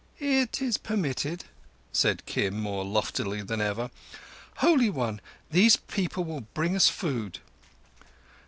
"It is permitted," said Kim, more loftily than ever. "Holy One, these people will bring us food."